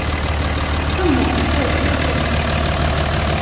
困难不会自动消失